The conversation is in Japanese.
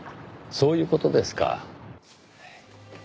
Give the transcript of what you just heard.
そういう事ですか。